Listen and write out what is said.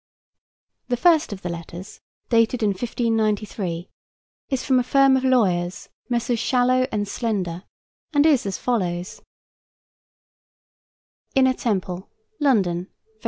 The first of the letters, dated in 1593, is from a firm of lawyers, Messrs. Shallow & Slender, and is as follows: INNER TEMPLE, LONDON, Feb.